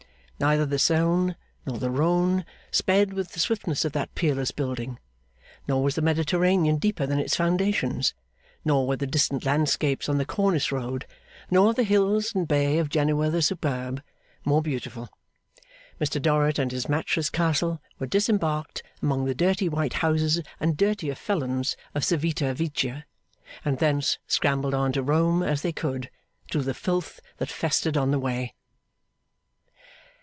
Neither the Saone nor the Rhone sped with the swiftness of that peerless building; nor was the Mediterranean deeper than its foundations; nor were the distant landscapes on the Cornice road, nor the hills and bay of Genoa the Superb, more beautiful. Mr Dorrit and his matchless castle were disembarked among the dirty white houses and dirtier felons of Civita Vecchia, and thence scrambled on to Rome as they could, through the filth that festered on the way.